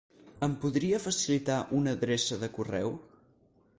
Em podria facilitar una adreça de correu?